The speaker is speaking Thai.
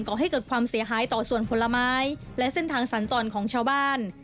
ก่อให้เกิดความเสียหายต่อส่วนผลไม้และเส้นทางสัญจรของชาวบ้าน